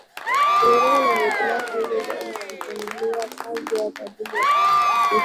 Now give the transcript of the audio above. kuangalia hitilafu hizo za vitendea kazi kwa ajili ya kuhakikisha